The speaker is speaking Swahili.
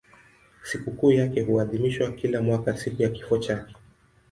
Sikukuu yake huadhimishwa kila mwaka siku ya kifo chake.